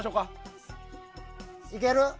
いける？